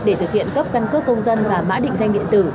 để thực hiện cấp căn cước công dân và mã định danh điện tử